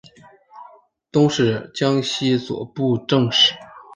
终仕江西左布政使。